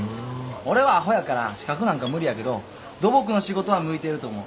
俺はアホやから資格なんか無理やけど土木の仕事は向いてると思う。